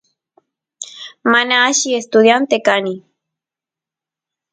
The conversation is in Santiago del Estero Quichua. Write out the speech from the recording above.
mana alli estudiante kani